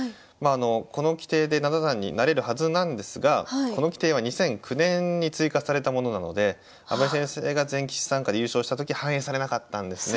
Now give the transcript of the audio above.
この規定で七段になれるはずなんですがこの規定は２００９年に追加されたものなので阿部先生が全棋士参加で優勝した時反映されなかったんですね。